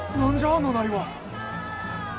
あのなりは。